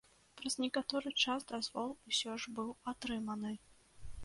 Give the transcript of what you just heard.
Праз некаторы час дазвол усё ж быў атрыманы.